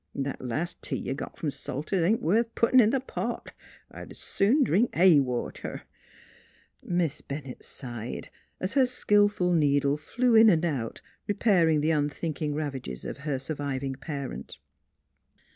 That las' tea you got f'om Salter's ain't worth puttin' in th' pot. I'd 's soon drink hay water." Miss Bennett sighed as her skillful needle flew NEIGHBORS 9 in and out repairing the unthinking ravages of her surviving parent.